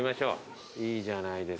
いいじゃないですか。